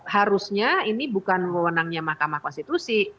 harusnya ini bukan mewenangnya mahkamah konstitusi